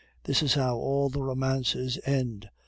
That is how all the romances end.